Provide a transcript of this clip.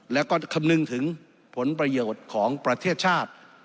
แล้วก็คำนึงถึงผลประโยชน์ของประเทศชาติ